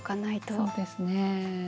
そうですね。